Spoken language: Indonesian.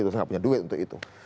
saya gak punya duit untuk itu